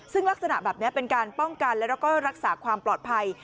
ซึ่งลักษณะแบบนี้เป็นการป้องกันแล้วก็รักษาความปลอดภัย